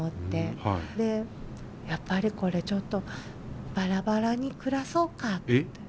やっぱりこれちょっとバラバラに暮らそうかって。